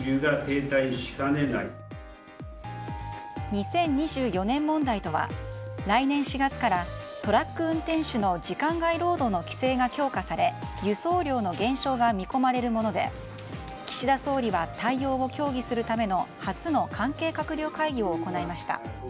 ２０２４年問題とは来年４月からトラック運転手の時間外労働の規制が強化され輸送量の減少が見込まれるもので岸田総理は対応を協議するための初の関係閣僚会議を行いました。